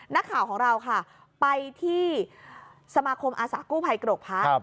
นักข่าวของเราค่ะไปที่สมาคมอาสากู้ภัยกรกพระ